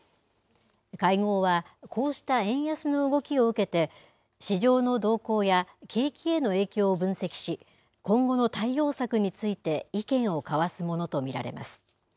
会合はこうした円安の動きを受けて、市場の動向や景気への影響を分析し、今後の対応策について意見を交わすものと見られます。